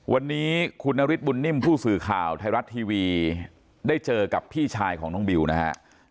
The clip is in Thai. วันนี้คุณนฤทธบุญนิ่มผู้สื่อข่าวไทยรัฐทีวีได้เจอกับพี่ชายของน้องบิวนะฮะ